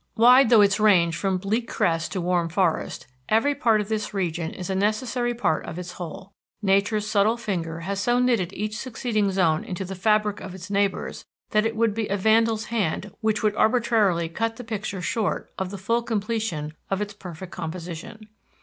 Wide though its range from bleak crest to warm forest, every part of this region is a necessary part of its whole. Nature's subtle finger has so knitted each succeeding zone into the fabric of its neighbors that it would be a vandal's hand which should arbitrarily cut the picture short of the full completion of its perfect composition.